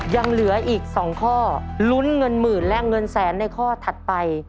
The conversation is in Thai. ยังเหลืออีก๒ข้อลุ้นเงินหมื่นและเงินแสนในข้อถัดไป